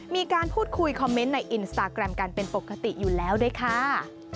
มีการพูดคุยคอมเมนต์ในอินสตาแกรมกันเป็นปกติอยู่แล้วด้วยค่ะ